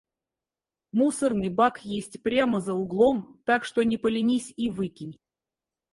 Мусорный бак есть прямо за углом, так что не поленись и выкинь.